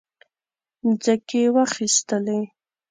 مځکې واخیستلې.